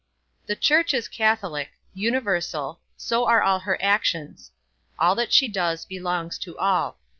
The church is Catholic, universal, so are all her actions; all that she does belongs to all.